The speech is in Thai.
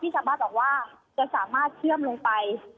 จะสามารถเชื่อมลงไป